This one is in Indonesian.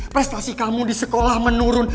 prestasi kamu di sekolah menurun